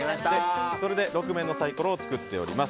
それで６面のサイコロを作ってあります。